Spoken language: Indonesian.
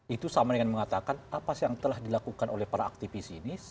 itu sama dengan mengatakan apa sih yang telah dilakukan oleh para aktivis ini